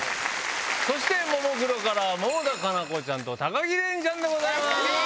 そしてももクロから百田夏菜子ちゃんと高城れにちゃんでございます。